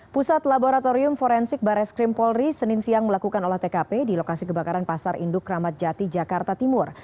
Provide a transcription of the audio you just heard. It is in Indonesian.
pusat laboratorium forensik barres krim polri senin siang melakukan olah tkp di lokasi kebakaran pasar induk ramadjati jakarta timur